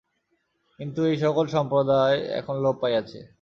কিন্তু এই-সকল সম্প্রদায় এখন লোপ পাইয়াছে।